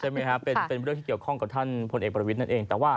ใช่ไหมครับเป็นเรื่องที่เกี่ยวข้องกับท่านพลเอกประวิทย์นั่นเองแต่ว่า